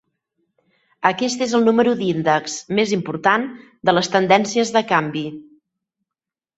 Aquest és el número d'índex més important de les tendències de canvi.